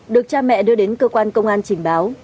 được cha mẹ đưa đến cơ quan công an trình báo